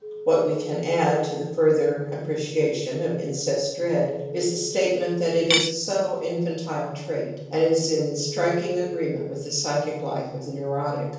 What we can add to the further apprecia tion of incest dread is the statement that it is a subtle infantile trait and is in striking agree jnent with the psychic life of the neurotic.